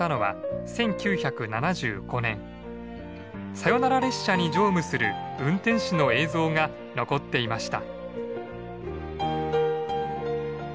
サヨナラ列車に乗務する運転士の映像が残っていました。